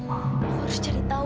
aku harus cari tahu